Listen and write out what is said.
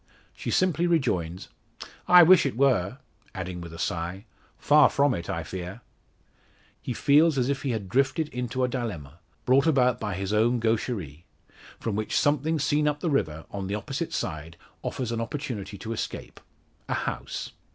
She simply rejoins: "I wish it were," adding with a sigh, "Far from it, I fear." He feels as if he had drifted into a dilemma brought about by his own gaucherie from which something seen up the river, on the opposite side, offers an opportunity to escape a house.